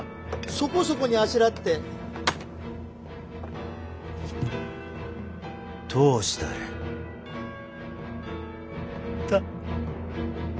そこそこにあしらって通したれと。